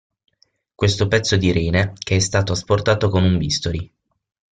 Questo pezzo di rene, che è stato asportato con un bisturi.